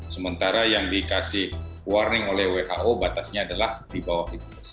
sementara yang dikasih warning oleh who batasnya adalah di bawah lima persen